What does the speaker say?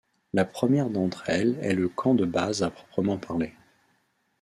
La première d'entre elles est le camp de base à proprement parler.